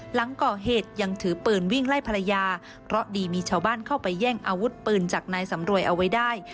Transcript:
หลังก่อเหตุยังถือปืนวิ่งไล่ภรรยาเพราะดีมีชาวบ้านเข้าไปแย่งอาวุธปืนจากนายสำรวยเอาไว้ได้